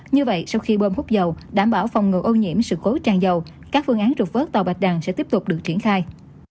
như vậy sau khi bơm hút dầu đảm bảo phòng ngừa ô nhiễm sự cố tràn dầu các phương án trục vớt tàu bạch đằng sẽ tiếp tục được triển khai